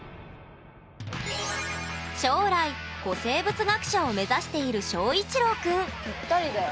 将来古生物学者を目指している翔一郎くんぴったりだよ。